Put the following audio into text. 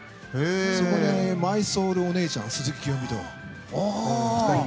そこでお姉ちゃん、鈴木聖美と。